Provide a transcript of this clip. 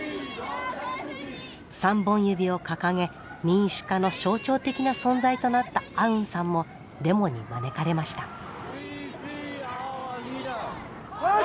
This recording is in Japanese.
３本指を掲げ民主化の象徴的な存在となったアウンさんもデモに招かれました。